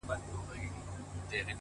د لوط د قوم د سچيدو به درته څه ووايم;